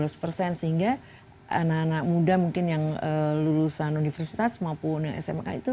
sehingga anak anak muda mungkin yang lulusan universitas maupun yang smk itu